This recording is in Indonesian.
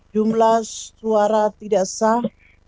jumlah suara tidak sah